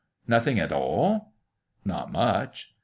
"Nothing at all?" " Not much."